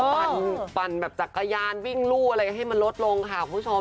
ปั่นแบบจักรยานวิ่งลู่อะไรให้มันลดลงค่ะคุณผู้ชม